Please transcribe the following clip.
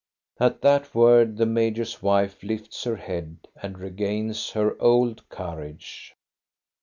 At that word the major's wife lifts her head and regains her old courage.